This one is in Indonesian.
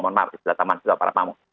mohon maaf silahkan mas juga para pamung